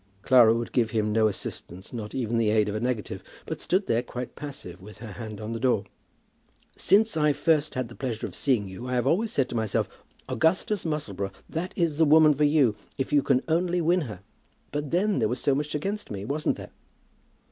Clara would give him no assistance, not even the aid of a negative, but stood there quite passive, with her hand on the door. "Since I first had the pleasure of seeing you I have always said to myself, 'Augustus Musselboro, that is the woman for you, if you can only win her.' But then there was so much against me, wasn't there?"